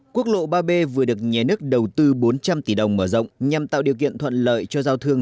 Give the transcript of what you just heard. quốc lộ ba b vừa được nhà nước đầu tư bốn trăm linh tỷ đồng mở rộng nhằm tạo điều kiện thuận lợi cho giao thương